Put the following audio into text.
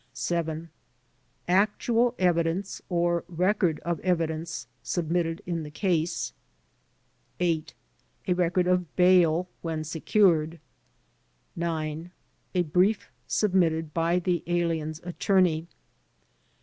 7. Actual evidence or record of evidence submitted in the case. 8. A record of bail when secured. 9. A brief submitted by the alien's attorney.